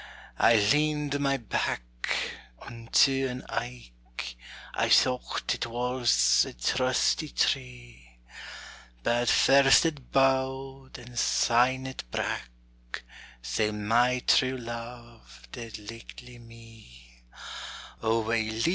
I leaned my back unto an aik, I thocht it was a trustie tree, But first it bowed and syne it brak', Sae my true love did lichtlie me.